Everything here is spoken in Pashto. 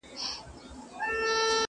د قلا شنې وني لمبه سوې د جهاد په اور کي؛